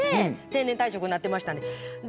定年退職になっていましたので。